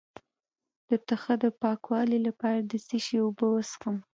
د تخه د پاکوالي لپاره د څه شي اوبه وڅښم؟